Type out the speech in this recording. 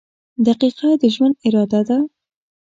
• دقیقه د ژوند اراده ده.